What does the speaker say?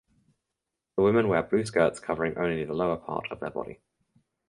The women wear blue skirts covering only the lower part of their body.